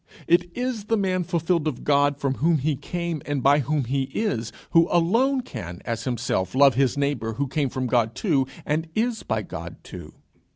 It is the man fulfilled of God from whom he came and by whom he is, who alone can as himself love his neighbour who came from God too and is by God too.